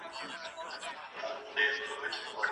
کامران